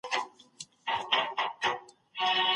چي د مرګ زامي ته ولاړ سې